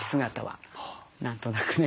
何となくね。